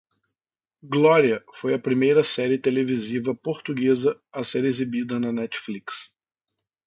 "Glória" foi a primeira série televisiva portuguesa a ser exibida na Netflix.